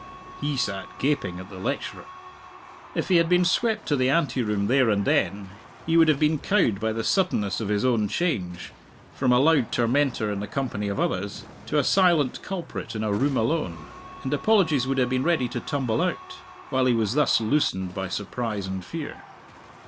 He sat gaping at the lecturer. If he had been swept to the anteroom there and then, he would have been cowed by the suddenness of his own change, from a loud tormentor in the company of others, to a silent culprit in a room alone. And apologies would have been ready to tumble out, while he was thus loosened by surprise and fear.